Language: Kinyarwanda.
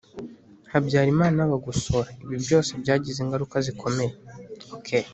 Habyarimana bagosora ibi byose byagize ingaruka zikomeye